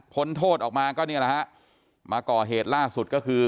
โทษออกมาก็เนี่ยแหละฮะมาก่อเหตุล่าสุดก็คือ